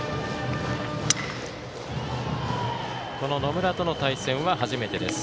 この野村との対戦は初めてです。